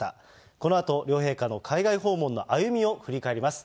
このあと、両陛下の海外訪問の歩みを振り返ります。